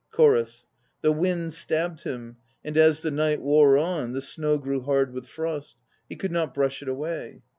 CHORUS. The wind stabbed him, and as the night wore on, The snow grew hard with frost; he could not brush it away.